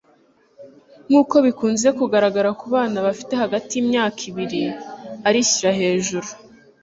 nkuko bikunze kugaragara kubana bafite hagati yimyakayimwaka ibiri, arishyira hejuru